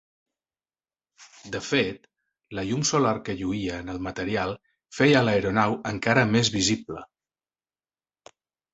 De fet, la llum solar que lluïa en el material feia l'aeronau encara més visible.